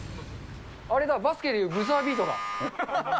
あれだ、バスケでいうブザービートだ。